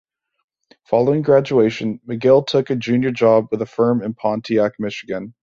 Following graduation, MacGill took a junior job with a firm in Pontiac, Michigan.